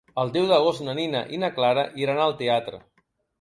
El deu d'agost na Nina i na Clara iran al teatre.